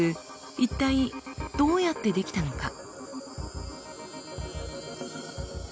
一体どうやって出来たのか？